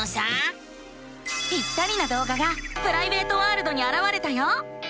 ぴったりなどうががプライベートワールドにあらわれたよ。